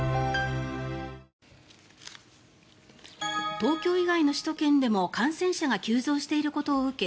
東京以外の首都圏でも感染者が急増していることを受け